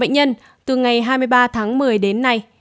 bệnh nhân từ ngày hai mươi ba tháng một mươi đến nay